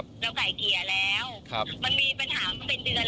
แต่ถามว่าเค้าดูแล้วเค้าคิดจะไปอย่างนั้นไหม